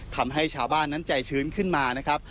ทำให้ชาวบ้านนั้นใจชื้นขึ้นมานะครับ